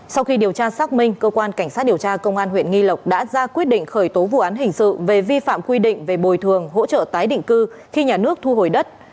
sau khi điều tra xác minh cơ quan cảnh sát điều tra công an huyện nghi lộc đã ra quyết định khởi tố vụ án hình sự về vi phạm quy định về bồi thường hỗ trợ tái định cư khi nhà nước thu hồi đất